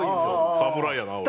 侍やな俺。